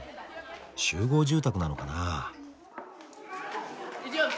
集合住宅なのかな。